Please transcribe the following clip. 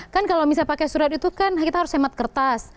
kan kalau misalnya pakai surat itu kan kita harus hemat kertas